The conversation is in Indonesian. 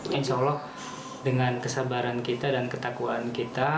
insya allah dengan kesabaran kita dan ketakwaan kita